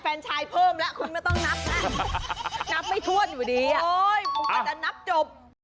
โอ๊ยผมก็จะนับจบ